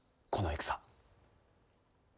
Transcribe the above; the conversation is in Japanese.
この戦。